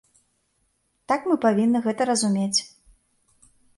Так мы павінны гэта разумець.